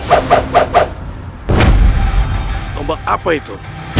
tombak apa itu